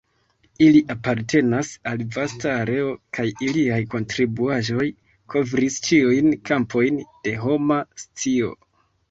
Ili apartenas al vasta areo kaj iliaj kontribuaĵoj kovris ĉiujn kampojn de homa scio.